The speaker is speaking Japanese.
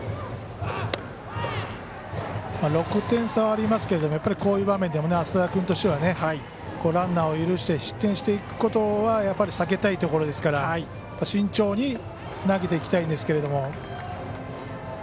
６点差はありますがこういう場面でも浅田君としてはランナーを許して失点していくことはやっぱり避けたいところですから慎重に投げていきたいんですが。